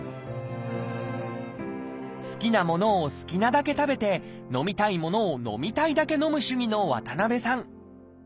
好きなものを好きなだけ食べて飲みたいものを飲みたいだけ飲む主義の渡さん。